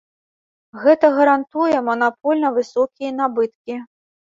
Гэта гарантуе манапольна высокія набыткі.